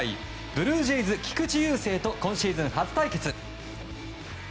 ブルージェイズ、菊池雄星と今シーズン初対決。